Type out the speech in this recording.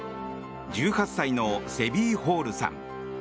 １８歳のセビー・ホールさん。